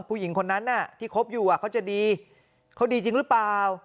ผู้หญิงคนนั้นที่คบอยู่เขาจะดีเขาดีจริงหรือเปล่า